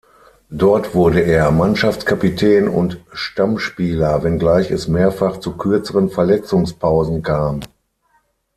Dort wurde er Mannschaftskapitän und Stammspieler, wenngleich es mehrfach zu kürzeren Verletzungspausen kam.